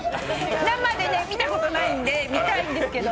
生で見たことないんで見たいんですけど。